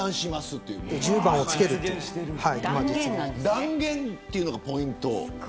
断言というのがポイント。